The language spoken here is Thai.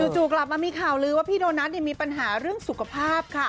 จู่กลับมามีข่าวลือว่าพี่โดนัทมีปัญหาเรื่องสุขภาพค่ะ